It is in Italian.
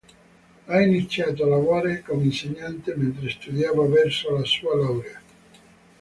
Ha iniziato a lavorare come insegnante mentre studiava verso la sua laurea.